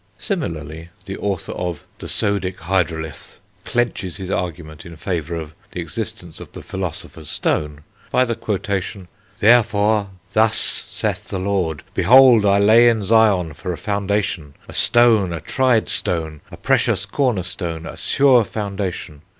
Similarly, the author of The Sodic Hydrolith clenches his argument in favour of the existence of the Philosopher's Stone, by the quotation: "Therefore, thus saith the Lord; behold I lay in Zion for a foundation a Stone, a tried Stone, a precious corner Stone, a sure foundation.